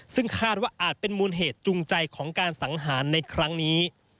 ซึ่งคาดว่าอาจเป็นมูลเหตุจูงใจของการสังหารในครั้งนี้